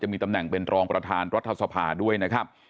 มีตำแหน่งเป็นรองประธานรัฐสภาด้วยนะครับ